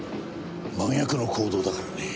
真逆の行動だからね。